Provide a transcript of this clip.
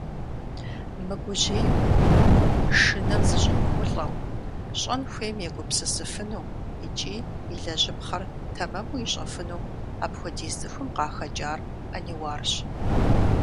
Мыгужьейуэ, шынэм зэщӀимыӀулӀэу, щӀэн хуейм егупсысыфыну икӀи илэжьыпхъэр тэмэму ищӀэфыну апхуэдиз цӀыхум къахэкӀар Ӏэниуарщ.